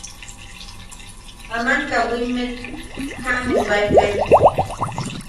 Aman kawimmet jaʼamubaekai.